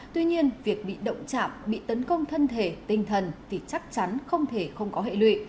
tuy nhiên việc bị động chạm bị tấn công thân thể tinh thần thì chắc chắn không thể không có hệ lụy